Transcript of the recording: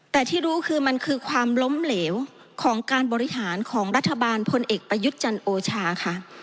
แต่ที่รู้คือมันคือความล้มเหลวของการบริหารของรัฐบาลพลเอกประยุทธ์จันทร์โอชาค่ะ